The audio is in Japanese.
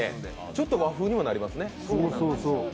ちょっと和風にもなりますね。